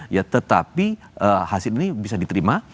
ya tetapi hasil ini bisa diterima